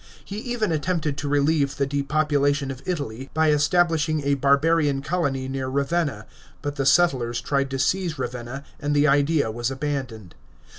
He even attempted to relieve the depopulation of Italy by establishing a barbarian colony near Ravenna, but the settlers tried to seize Ravenna, and the idea was abandoned.